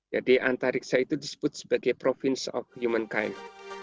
jadi antariksa itu disebut sebagai province of humankind